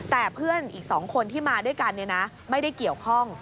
แต่เพื่อนอีก๒คนที่มาด้วยกันไม่ได้เกี่ยวข้อง